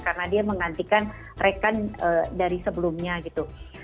karena dia mengantikan rekan dari sebelumnya gitu